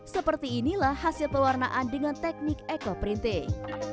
seperti inilah hasil pewarnaan dengan teknik eco printing